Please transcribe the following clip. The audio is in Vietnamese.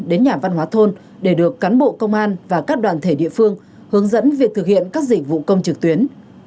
đến nhà văn hóa thôn để được cán bộ công an và các đoàn thể địa phương hướng dẫn việc thực hiện các dịch vụ công trực tuyến